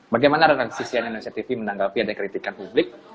bagaimana reaksisinya indonesia tv menanggapi ada kritikan publik